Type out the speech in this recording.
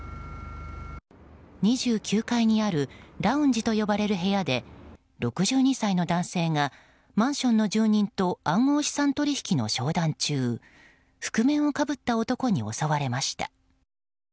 ２９階にあるラウンジと呼ばれる部屋で６２歳の男性がマンションの住人と暗号資産取引の商談中覆面をかぶった男に襲われました。